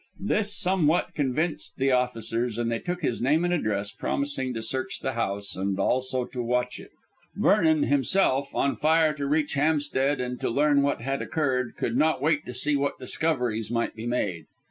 This somewhat convinced the officers, and they took his name and address, promising to search the house, and also to watch it. Vernon himself, on fire to reach Hampstead and to learn what had occurred, could not wait to see what discoveries might be made.